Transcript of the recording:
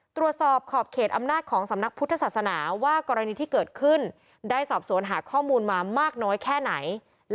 ขอบเขตอำนาจของสำนักพุทธศาสนาว่ากรณีที่เกิดขึ้นได้สอบสวนหาข้อมูลมามากน้อยแค่ไหน